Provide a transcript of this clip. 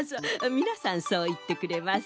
みなさんそういってくれます。